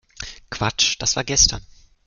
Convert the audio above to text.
Quatsch, das war gestern!